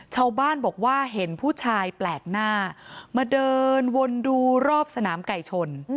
ชาวบ้านบอกว่าเห็นผู้ชายแปลกหน้ามาเดินวนดูรอบสนามไก่ชน